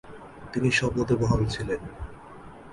তিনি স্বপদে বহাল ছিলেন।